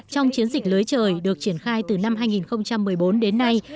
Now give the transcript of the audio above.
trong chiến dịch lưới trời được triển khai từ năm hai nghìn một mươi bốn đến nay